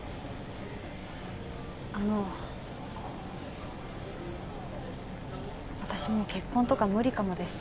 あの私もう結婚とか無理かもです